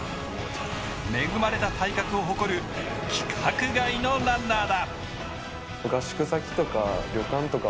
恵まれた体格を誇る規格外のランナーだ。